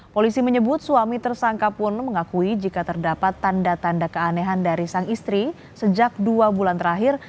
polisi menyebut suami tersangka pun mengakui jika terdapat tanda tanda keanehan dari sang istri sejak dua bulan terakhir